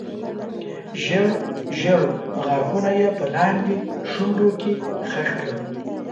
ژېړ ژېړ غاښونه یې په لاندې شونډه کې خښ کړل.